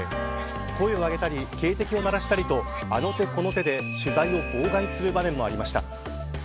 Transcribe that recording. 声を上げたり警笛を鳴らしたりとあの手この手で、取材を妨害する場面もありました。